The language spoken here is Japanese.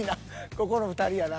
ここの２人やな。